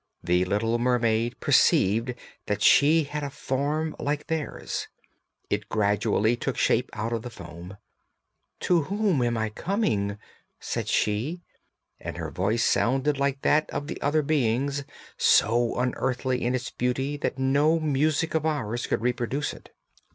The little mermaid perceived that she had a form like theirs; it gradually took shape out of the foam. 'To whom am I coming?' said she, and her voice sounded like that of the other beings, so unearthly in its beauty that no music of ours could reproduce it.